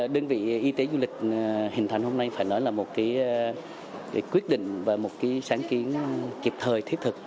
đơn vị y tế du lịch hình thành hôm nay phải nói là một cái quyết định và một sáng kiến kịp thời thiết thực